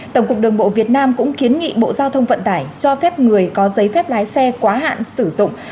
tổng cục đường bộ việt nam cũng kiến nghị bộ giao thông vận tải cho phép người có giấy phép lái xe quá hạn sử dụng